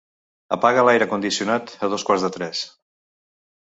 Apaga l'aire condicionat a dos quarts de tres.